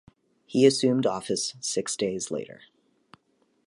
He assumed office six days later.